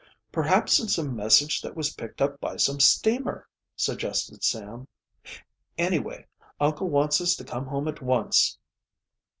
"Perhaps it's a message that was picked up by some steamer," suggested Sam. "Anyway, uncle wants us to come home at once."